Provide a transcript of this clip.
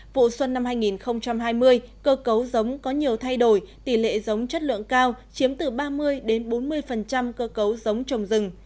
vụ xuân năm hai nghìn hai mươi cơ cấu giống có nhiều thay đổi tỷ lệ giống chất lượng cao chiếm từ ba mươi bốn mươi cơ cấu giống trồng rừng